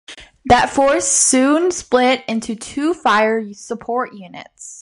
That force soon split into two fire support units.